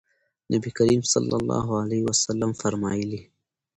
نبي کريم صلی الله عليه وسلم فرمايلي: